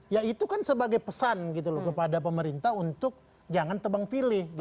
ya itu kan sebagai pesan gitu loh kepada pemerintah untuk jangan tebang pilih